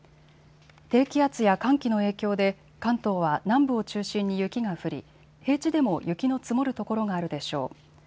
低気圧や寒気の影響で関東は南部を中心に雪が降り平地でも雪の積もる所があるでしょう。